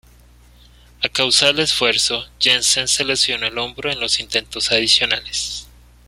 A causa del esfuerzo, Jensen se lesionó el hombro en los intentos adicionales.